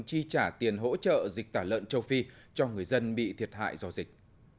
chi trả tiền hỗ trợ dịch tả lợn châu phi cho người dân bị thiệt hại do dịch